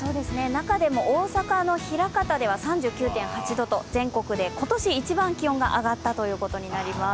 中でも大阪の枚方では３９．８度と全国で今年一番気温が上がったということになります。